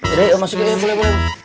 udah ya masukin aja boleh boleh